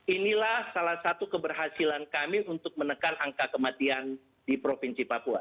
inilah salah satu keberhasilan kami untuk menekan angka kematian di provinsi papua